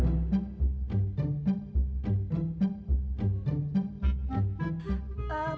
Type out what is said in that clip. saya minta ganti rugi